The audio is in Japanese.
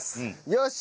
よし！